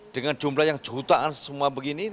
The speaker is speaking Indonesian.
dengan jumlah yang jutaan semua begini